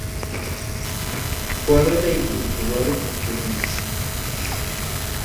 Cuadro de Individuales masculinos